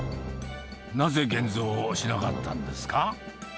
なぜ現像をしなかったんです